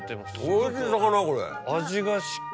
おいしい魚これ。